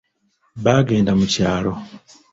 Baagenda mu kyalo.